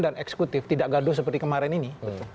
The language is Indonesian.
dan eksekutif tidak gaduh seperti kemarin ini